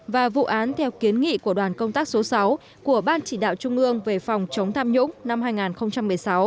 và vụ án theo kiến nghị của đoàn công tác số sáu của ban chỉ đạo trung ương về phòng chống tham nhũng năm hai nghìn một mươi sáu